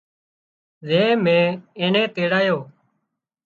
زي مين اين نين تيڙايو